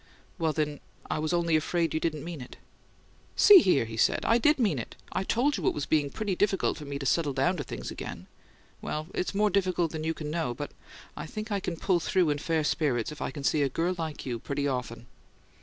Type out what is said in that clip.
"Well, then, I was only afraid you didn't mean it." "See here," he said. "I did mean it. I told you it was being pretty difficult for me to settle down to things again. Well, it's more difficult than you know, but I think I can pull through in fair spirits if I can see a girl like you 'pretty often.'"